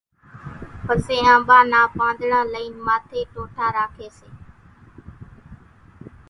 پسيَ آنٻا نان پانۮڙان لئينَ ماٿيَ ٽوٺا راکيَ سي۔